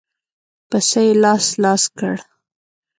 پسه يې لاس لاس کړ.